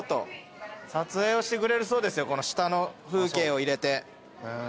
撮影をしてくれるそうですよこの下の風景を入れて。